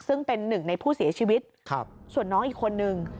ซึ่งเป็นหนึ่งในผู้เสียชีวิตส่วนน้องอีกคนนึง